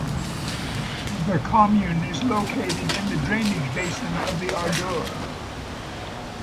The commune is located in the drainage basin of the Adour.